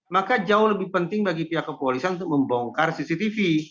maka jauh lebih penting bagi pihak kepolisian untuk membongkar cctv